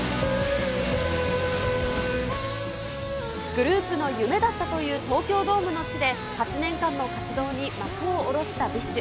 グループの夢だったという東京ドームの地で、８年間の活動に幕を下ろしたＢｉＳＨ。